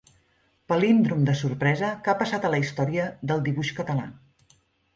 Palíndrom de sorpresa que ha passat a la història del dibuix català.